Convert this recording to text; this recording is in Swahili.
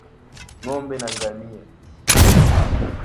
Ng'ombe na ngamia